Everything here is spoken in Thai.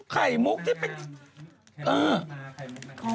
ไข่มุกที่เป็น